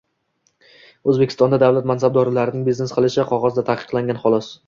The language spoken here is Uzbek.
O‘zbekistonda davlat mansabdorlarining biznes qilishi qog‘ozda taqiqlangan xolos.